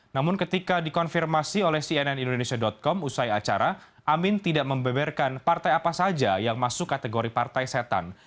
namun ketika dikonfirmasi oleh cnn indonesia com usai acara amin tidak membeberkan partai apa saja yang masuk kategori partai setan